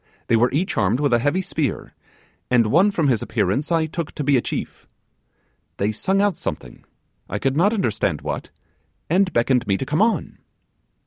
They were each armed with a heavy spear, and one from his appearance I took to be a chief. They sung out something, I could not understand what, and beckoned me to come on.